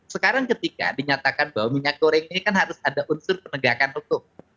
sekarang ketika dinyatakan bahwa minyak goreng ini kan harus ada unsur penegakan hukum